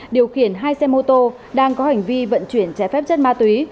điều khiển hai xe mô tô đang có hành vi vận chuyển trái phép chất ma túy